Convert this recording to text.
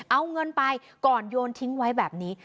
เอาเงินไปก่อนโยนทิ้งไว้แบบนี้